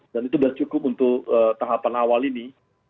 dan itu udah cukup untuk tahapan awal ini